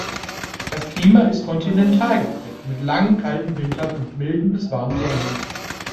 Das Klima ist kontinental geprägt, mit langen kalten Wintern und milden bis warmen Sommern.